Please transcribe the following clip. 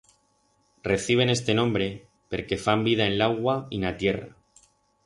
Reciben este nombre perque fan vida en l'augua y en a tierra.